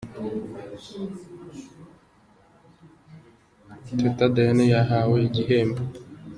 Teta Diana yahawe igihembo na Imbuto Foundation nk’umuhanzi uteza imbere umuco.